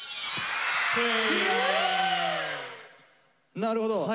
なるほど。